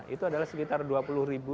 itu adalah sekitar dua puluh ribu